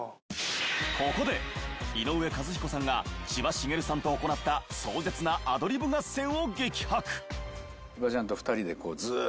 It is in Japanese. ここで井上和彦さんが千葉繁さんと行った壮絶なアドリブ合戦を激白！